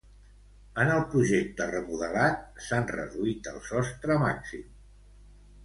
En el projecte remodelat s'han reduït el sostre màxim.